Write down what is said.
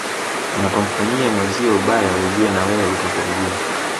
Unapomfanyia mwenzio ubaya ujue na wewe utakurudia